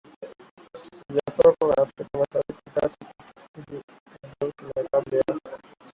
vya Soka Afrika Mashariki na Kati na chini akipigilia bukta nyeusi ya klabu ya